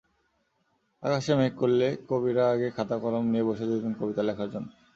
আকাশে মেঘ করলে কবিরা আগে খাতা–কলম নিয়ে বসে যেতেন কবিতা লেখার জন্য।